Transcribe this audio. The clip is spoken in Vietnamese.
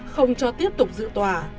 không cho tiếp tục dự tòa